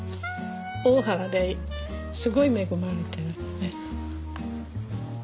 大原ですごい恵まれてる。